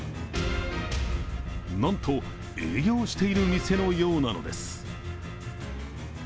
なんと、営業している店のようなのです。